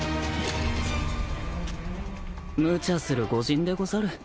無茶するご仁でござる。